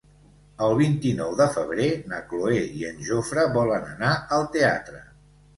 El vint-i-nou de febrer na Cloè i en Jofre volen anar al teatre.